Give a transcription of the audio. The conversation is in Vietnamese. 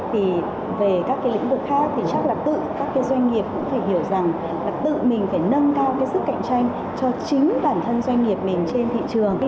thì về các cái lĩnh vực khác thì chắc là tự các cái doanh nghiệp cũng phải hiểu rằng là tự mình phải nâng cao cái sức cạnh tranh cho chính bản thân doanh nghiệp mình trên thị trường